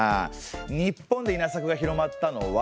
日本で稲作が広まったのは。